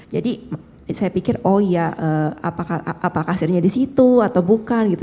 jadi saya pikir oh iya apakah kasirnya di situ atau bukan gitu